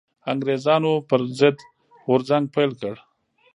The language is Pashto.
انګرېزانو پر ضد غورځنګ پيل کړ